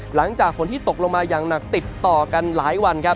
หลังจากฝนที่ตกลงมาอย่างหนักติดต่อกันหลายวันครับ